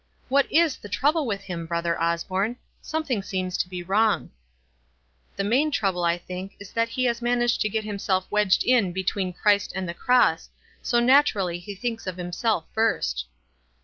" What is the trouble with him, Brother Os borne? Something seems to be wrong." "The main trouble I think is that he has man aged to get himself wedged in between Christ and the cross, so, naturally, he thinks of him self first."